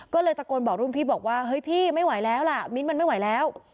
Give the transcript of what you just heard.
ก็เลยตะโกนบอกรุ่นพี่บอกว่าเฮ้ยพี่ไม่ไหวแล้วล่ะมิ้นมันไม่ไหวแล้ว